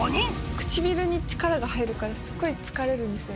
唇に力が入るから、すっごい疲れるんですよね。